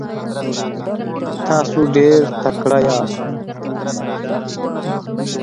تاسو ډیر تکړه یاست.